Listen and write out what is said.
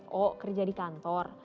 nah kalau ini konsultasi